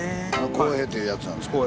晃瓶っていうやつなんですけど。